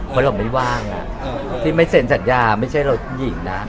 เพราะเราไม่ว่างที่ไม่เซ็นสัญญาไม่ใช่เราหญิงนะ